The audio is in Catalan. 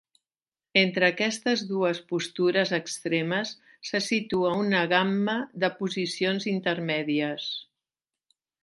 Entre aquestes dues postures extremes se situa una gamma de posicions intermèdies.